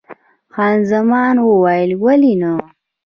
خان زمان وویل: ولې نه؟